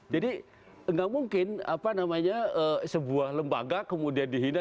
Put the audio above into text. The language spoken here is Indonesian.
jadi gak mungkin sebuah lembaga kemudian dihina